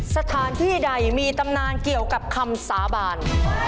สถานที่ใดมีตำนานเกี่ยวกับคำสาบาน